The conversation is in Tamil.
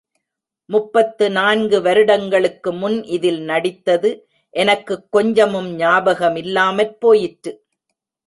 முப்பத்து நான்கு வருடங்களுக்கு முன் இதில் நடித்தது எனக்குக் கொஞ்சமும் ஞாபகமில்லாமற் போயிற்று.